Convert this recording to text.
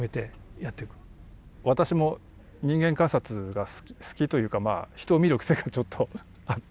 私も人間観察が好きというか人を見る癖がちょっとあって。